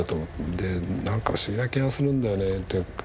でなんか不思議な気がするんだよねって。